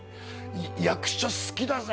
役者好きだぜ！